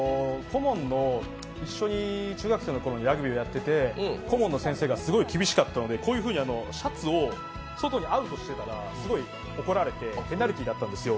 一緒に中学生のころにラグビーやってて顧問の先生がすごい厳しかったので、こういうふうにシャツを外にアウトしてたらすごい怒られてペナルティーだったんですよ。